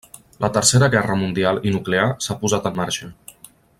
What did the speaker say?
La Tercera Guerra mundial i nuclear s'ha posat en marxa.